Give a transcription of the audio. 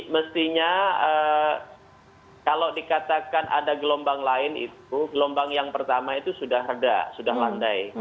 mestinya kalau dikatakan ada gelombang lain itu gelombang yang pertama itu sudah reda sudah landai